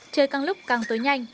trời càng lúc càng tối nhanh